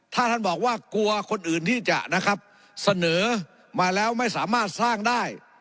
ถ้าท่านบอกว่ากลัวคนอื่นที่จะนะครับเสนอมาแล้วไม่สามารถสร้างได้